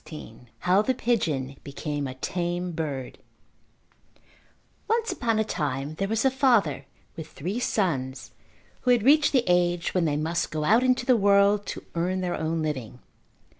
XVI How the Pigeon Became a Tame Bird Once upon a time there was a father with three sons who had reached the age when they must go out into the world to earn their own living.